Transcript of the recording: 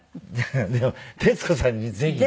でも徹子さんにぜひね。